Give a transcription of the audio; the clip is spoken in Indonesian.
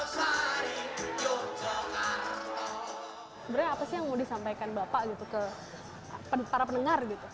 sebenarnya apa sih yang mau disampaikan bapak gitu ke para pendengar gitu